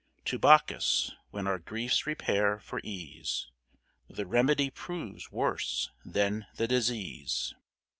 To Bacchus when our Griefs repair for Ease, The Remedy proves worse than the Disease.